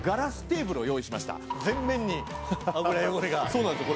そうなんですよ。